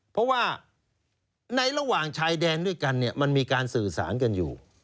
เพราะว่าในระหว่างชายแดนด้วยกันเนี่ยมันมีการสื่อสารกันอยู่